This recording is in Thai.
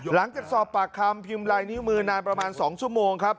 หลังจากสอบปากคำพิมพ์ลายนิ้วมือนานประมาณ๒ชั่วโมงครับ